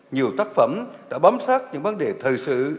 nhiều tác phẩm đã bám sát những vấn đề thời sự